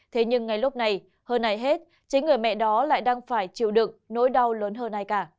thế nhưng ngay lúc này hơn ai hết chính người mẹ đó lại đang phải chịu đựng nỗi đau lớn hơn ai cả